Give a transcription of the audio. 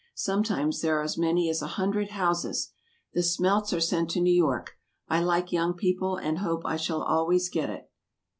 Sometimes there are as many as a hundred houses. The smelts are sent to New York. I like Young People, and hope I shall always get it.